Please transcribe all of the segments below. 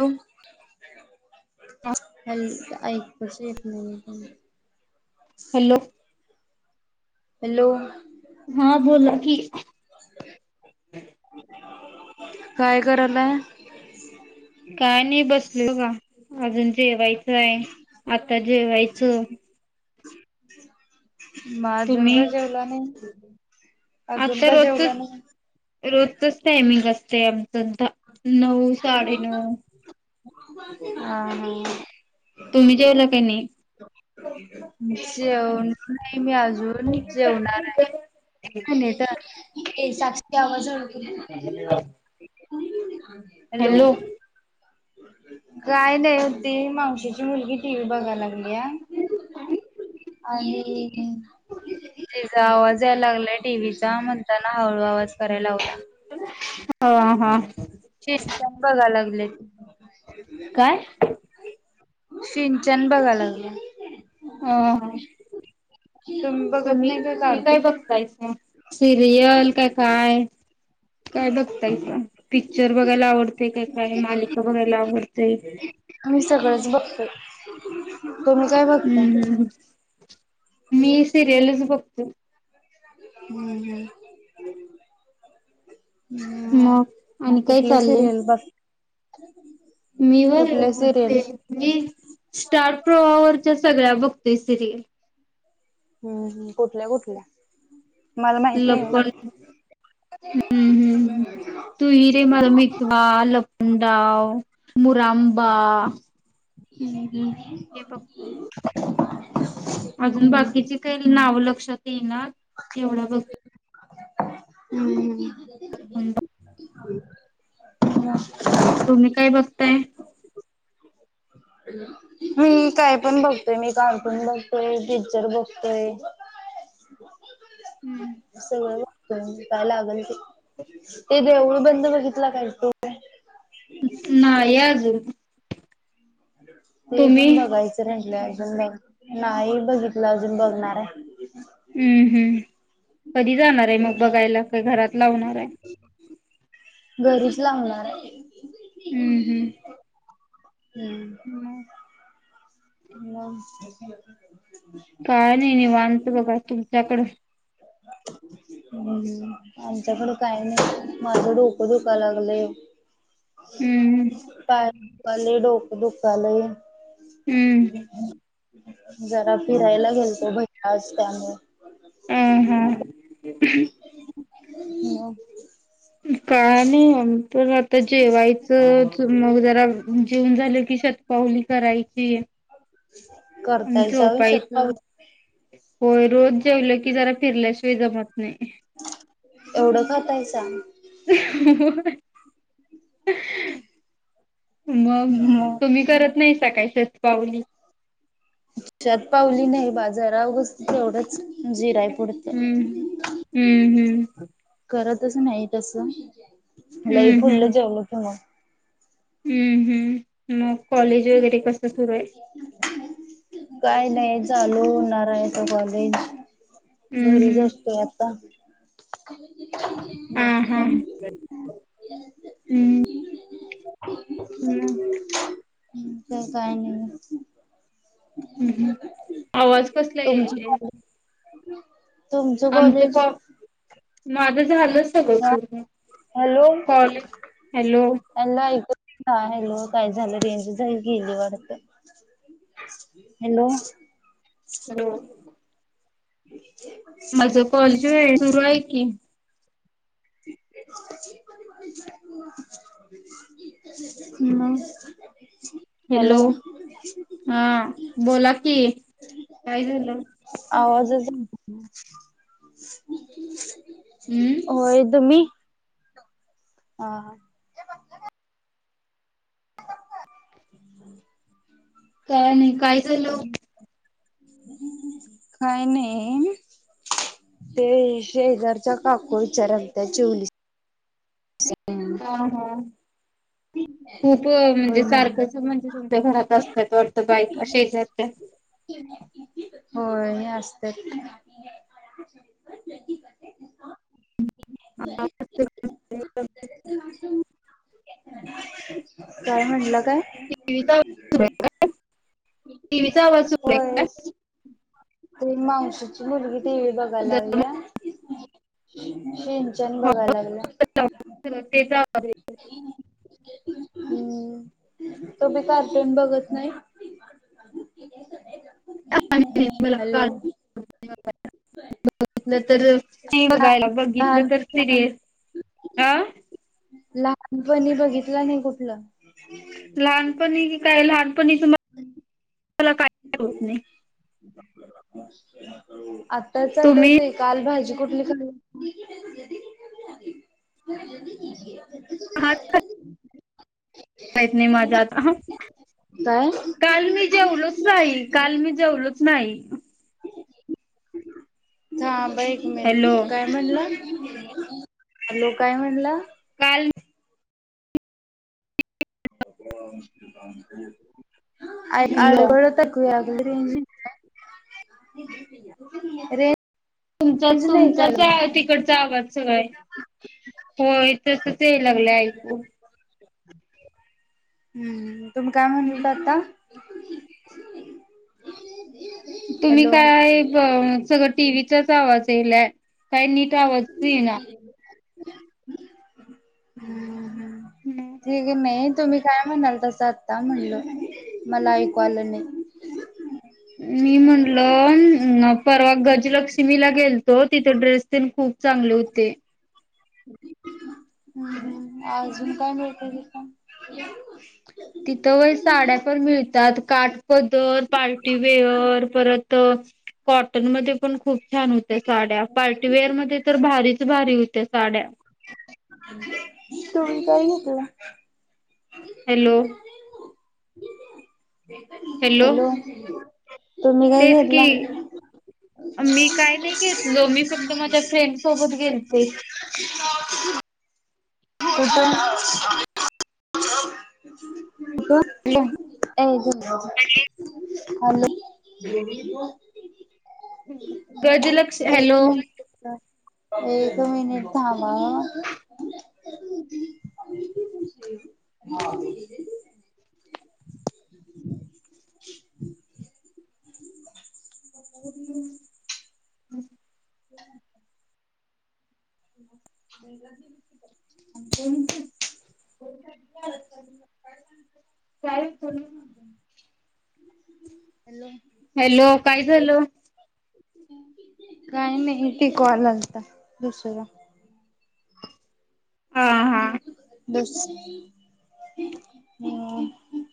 बोल हॅल ऐक बस एक मिनित थांब हॅलो हॅलो हा बोला की काय करालाय काय [unintelligible] अजून जेवायचंय आता जेवायचं [unintelligible] म अजून तुम्ही का जेवला नाई [unintelligible] आता रोजचच रोजचच टायमिंग अस ते आमच [unintelligible] हा हा तुम्ही जेवला की नाई? जेवण नाही मी अजून जेवणारेय आणि आता [unintelligible] त्यावरजळवी [unintelligible] हॅलो काय नाय ती मावशीची मुलगी टीव्ही बघाय लागलीया आणि तेजा आवाज याय लागलाय टीव्हीचा म्हणताना हळू आवाज कराय लावला हा हा चिंन चाॅग बघाय लागली. [unintelligible] काय [inaudible] सिंचन बघाय लागलीय. हं. हा. बघत तुम्ही नाही का तुम्ही काय कार्टून? बघतायसा? सिरियल क काय? काय बघतायसा पिक्चर बघायला आवडते का काय? मालिका बघायला आवडते. मी सगळंच [inaudible] तुम्ही काय बघताय? हम्म हम्म मी सिरयलच बघते. हम्म हम्म. हम्म मग आणि काय चाललंय? रिकामा ऑडिओ मी होय ते मी स्टार प्रवाह वरच्या सगळ्या बघ ते सिरियल. हम्म् कुठल्या कुठल्या? मला माहित नाही ओ. लपन हम्म हम्म तू हिरे मला मितवा लपनडाव. मुरांबा. हम्म हे बघतोय. ह [unintelligible] अजून बाकीची काही नाव ल रिकामा ऑडिओ तेना, एवढा बघत हं हं. रिकामा ऑडिओ [unintelligible] तुम्ही काय बघताय? हम् काय पण बघतोय मी कार्टून बघतोय पिक्चर बघतोय. हम्म सगळ बगतंय. कां लागलं? ते देऊळ. बंद बघितला काय तो? नाही अजून. ते तुम्ही? पण बघायचं हाय. अजून नाही बघितलं अजून बघणार हाय. हम्म हम्म. कधी जाणार हाय हम्म मग हम्म. बघायला का घरात लावणार हाय. घरीच लावणार हाय. हम्म हम्म. [inaudible] [unintelligible] काय नाही निवांनत बघा तुमच्याकड हम् आच्याकडे काय नही माझं डोकं दुखाय लागलं. हम्म [unintelligible] काल लई डोक दुकालेय. हम्म जरा फिरायला गेलतो. आज त्यांमुळे [inaudible] [inaudible] [inaudible] काय नाही आणि. [unintelligible] त जेवायच मग जरा जीवुन झालं की शतपाउली करायची. आणि करतायचाउन झोपायचं शतपाउली होय रोज जेवल की कि जरा फिरल्या शजमत नही. एवढं खाताय सां होय. मग तुम्ही करत नाही सकाळीसच पाउली. शत पावली नाही बाजारा [unintelligible] तेवढंच. जिराय पुुडतं. हम्म, हम्, हम्म, हम्म. तसं नाही तस लई हम्म हम्म फुल्लं जेवलो की मग. हम्म, हम्म मग कॉलेज वगैरे कस [inaudible] काय नाही चालू करायच कॉलेज हम्म घरीच हम्म असतो आता. [unintelligible] हा, बाकी हा, काय नाही. हम्म. हम्म [inaudible] काय नाही. हम्म्, हम्म आवाज कसला तुमचं यायलाय. कॉलेज [inaudible] आमचं कॉलेज पण माझ झालं सगळं हा पूर्ण हॅलो कॉलिंग हॅलो काय हॅलो काय झालं? रेंज गेली वाटत हॅलो - हॅलो [inaudible] माझ कॉलेज होय, सुरू आहे की? [inaudible] हॅलो---हॅलो हॅलो हा बोला कि, काय झालं? हम् हम्म होय. [inaudible] हा हा [inaudible] काय नाही? काय झालं? काय नाही ते शेजारच्या काकू विचाराल त्या जेवलीस का? ह हा खूप होय म्हणजे म्हटलं सारखंच म्हणजे तुमच्या घरात असतात वाटतं बायका शेजारच्या? होय [inaudible] ह [inaudible] काय म्हटलात? [unintelligible] टीव्हीचा आवाज सुरू आहे काय? होय. ती मावशीची मुलगी टीव्ही बघायलागल्या सिंनचाण बघायलागल्या जरा तेच आवाज हम् तू बी का कोण बघत नाही? मला हॅलो काल [unintelligible] बघितलं तर सी लहान बघायला बघितलं तर लहानपणी सिरियल अ लहानपणी बघितला नाही कुठलं. लहानपणी की काय लहानपणी तुम्हा हम् [inaudible] बरो [inaudible] आत. त्याचत तुम्ही होते कालभजी कुठली ख हा [unintelligible] माहीत नाही माझा आता काय काल मी जेवलोच नाही काल मी जेवलोच नाही. थांब हा एक हॅलो मिनंट काय म्हणलं. हॅलो काय म्हणला. काल बर [unintelligible] हॅलो आडवड टकूया [unintelligible] रेन तुम तुमचाच ॲ तिकडचा आवाज [unintelligible] होय तसच याय लागलं ऐकू हम्म. तुम्ही काय म्हणत लेत आता. तुम्ही हॅलो काय क सगळ टीव्हीचाच आवाज येलाय काय निट वाज ये ना [unintelligible] अ हम्म. ठीक आहे म [unintelligible] तुम्ही काय म्हणाल तस आत्ता म्हणल मला ऐकू आलं नाही. मी म्हटल अम न परवा गजलक्ष्मीला गेल हो तिथं ड्रेस तीन खूप. चांगले होते. हम अजून काय [unintelligible] मिळतय तीत पण तिथं वय साड्या पण मिळतात काट पधर पार्टीवेअर परत कॉटनमध्ये पण खूप छान होत्या साड्या पार्टीवेअर मध्ये तर भारीच भारी होत्या साड्या तुम्ही काय घेतल. हॅलो. हॅलो. तुम्ही काय तेच की घेतला? मी काय नाही घेतल मी फक्त माझ्या फ्रेंड सोबत गेलती. [unintelligible] Hello [unintelligible] hello. [unintelligible] गजलक्ष एक हॅलो. मिनिट एक मिनिट थांबा हां. [unintelligible] हम्म हम्म. [unintelligible] [unintelligible] हॅलो. हॅलो काय झालं? काय नाही ते कॉल आलता दुसरा. आं हां. बस हम्म.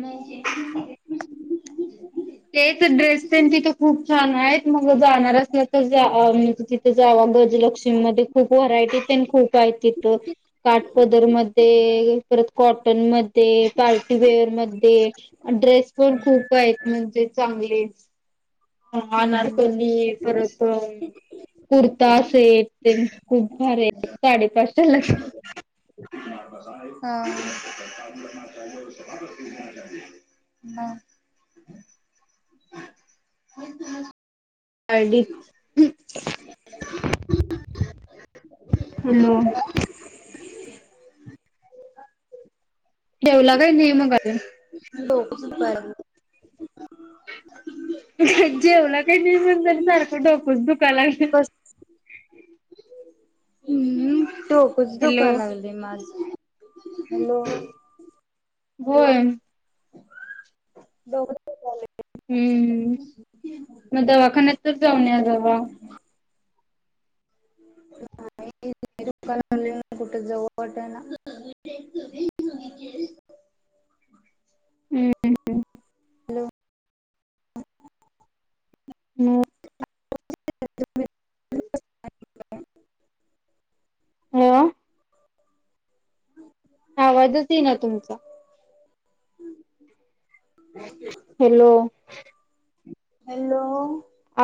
मग. [unintelligible] तेच ड्रेस तेन तिथं खूप छान आहेत म ग जाणार असला तर जावा म्हणजे तिथ जावा गजलक्ष्मी मध्ये जावा खूप व्हरायटी तेन खूप आहेत तिथं काटपदर मध्ये परत कॉटन म ध्ये पार्टीवेअर मध्ये ड्रेस पण खूप आहेत. म्हणजे चांगले हम्म अनारकली परत मल कुर्ता सेट तेन खूप भारी आहे साडेपाचशेला. [unintelligible] हा हा. ID hello. ठेवला काय नाही मग अजून? डोक दुःखालत. जेवला काय नाही म्हणताना सारखं डोकच दुखाय लागलय. डोकच हॅलो दुखायला लागलाय माझा. हॅलो. होय. डोकं दुखालय. हम्म मग दवाखान्यात तर जाऊन या जावा. नाही डोकं दुखायला लागलय कुठ जाऊ वाटना. हम्म. हॅलो. [inaudible] [inaudible] हो. [unintelligible] आवाज येतो ना तुमचा? [inaudible] हॅलो. हॅलो.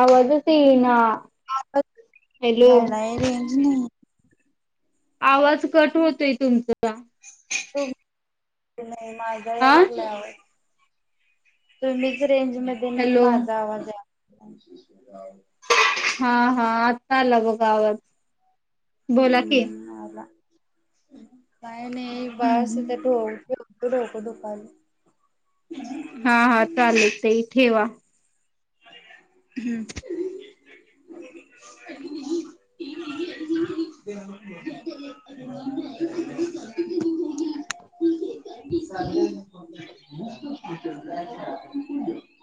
आवाजच येईना ना हॅलो. झालाय रेंज नाही आवाज कट होतोय तुमचा. तुमचा येईना. माझा आ यालागल्या आवाज. तुम्ही? रेंज मध्ये नाही हॅलो माझा आवाज आहे. कोणती सुविधा आहे? हा हा आत्ता आला बग. आवाज. बोला की. हम्म हा आला. ह् काय? नाही बास तर ढोक डोक दुखा लत दुपारी. हा हा चालेल ताई ठेवा. हम्म. [unintelligible] [unintelligible] [inaudible] [unintelligible]